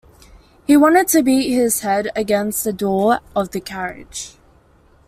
He wanted to beat his head against the door of the carriage.